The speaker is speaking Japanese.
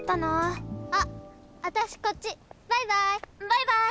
バイバイ。